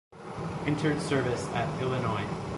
Entered service at: Illinois.